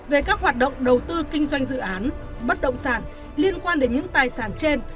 về các hoạt động đầu tư kinh doanh dự án bất động sản liên quan đến những tài sản trên